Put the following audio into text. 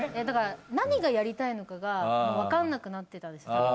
だから何がやりたいのかがわかんなくなってたんですよ